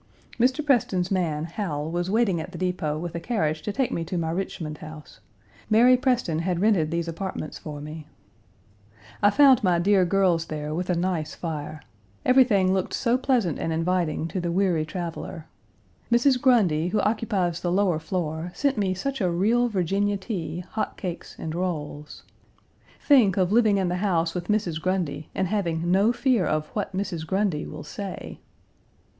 Mr. Preston's man, Hal, was waiting at the depot with a carriage to take me to my Richmond house. Mary Preston had rented these apartments for me. Page 257 I found my dear girls there with a nice fire. Everything looked so pleasant and inviting to the weary traveler. Mrs. Grundy, who occupies the lower floor, sent me such a real Virginia tea, hot cakes, and rolls. Think of living in the house with Mrs. Grundy, and having no fear of "what Mrs. Grundy will say."